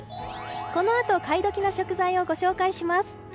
このあと、買い時な食材をご紹介します。